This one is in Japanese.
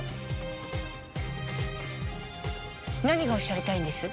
何がおっしゃりたいんです？